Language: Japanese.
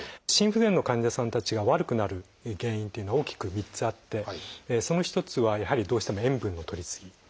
心不全の患者さんたちが悪くなる原因っていうのは大きく３つあってその一つはやはりどうしても「塩分のとりすぎ」。